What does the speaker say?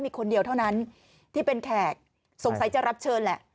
มีคนเดียวเท่านั้นที่เป็นแขกสงสัยจะรับเชิญแหละ